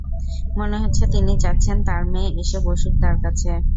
মনে হচ্ছে তিনি চাচ্ছেন তাঁর মেয়ে এসে বসুক তাঁর কাছে।